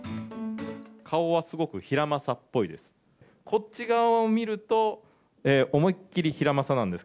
顔はすごくヒラマサっぽいです。